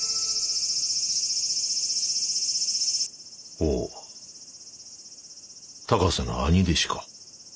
ほう高瀬の兄弟子か。